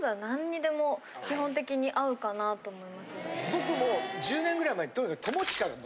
僕も１０年ぐらい前にとにかく。